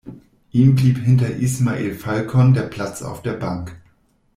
Ihm blieb hinter Ismael Falcón der Platz auf der Bank.